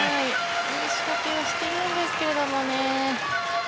いい仕掛けはしてるんですけどね。